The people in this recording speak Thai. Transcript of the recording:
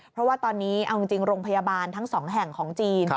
เพราะว่าตอนนี้เอาจริงโรงพยาบาลทั้งสองแห่งของจีน